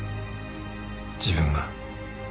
自分が。